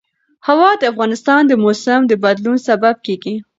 هوا د افغانستان د موسم د بدلون سبب کېږي.